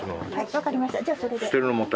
分かりました。